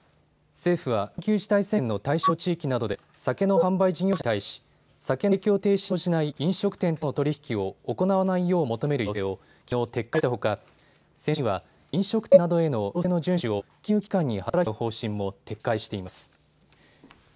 政府は緊急事態宣言の対象地域などで酒の販売事業者に対し酒の提供停止に応じない飲食店との取り引きを行わないよう求める要請をきのう撤回したほか先週には飲食店などへの要請の順守を金融機関に働きかけてもらう方針も撤回しています。